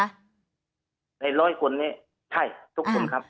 ในร้อยคนนี้ใช่ทุกคนครับ